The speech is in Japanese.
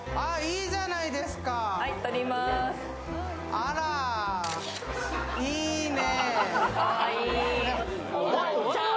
あらー、いいね。